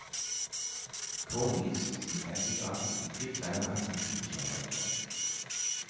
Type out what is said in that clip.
"Coneys" sind einzigartig und viel kleiner als ein typischer Hot Dog.